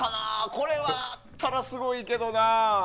これはあったらすごいけどな。